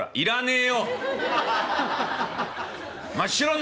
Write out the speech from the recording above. え？